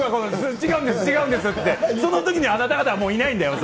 違うんです、違うんですって、そのときにあなた方はもういないんだよ。